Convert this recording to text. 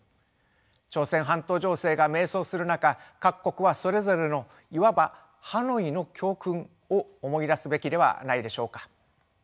朝鮮半島情勢が迷走する中各国はそれぞれのいわばハノイの教訓を思い出すべきではないでしょうか。